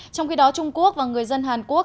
trong khi đó trung quốc và người dân hàn quốc